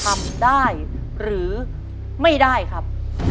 ทำได้หรือไม่ได้ครับ